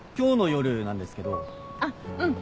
あっうん。